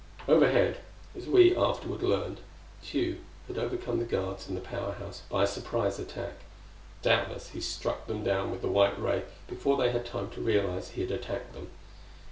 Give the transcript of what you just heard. Overhead, as we afterward learned, Tugh had overcome the guards in the Power House by a surprise attack. Doubtless he struck them down with the white ray before they had time to realize he had attacked them.